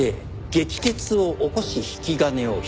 撃鉄を起こし引き金を引く。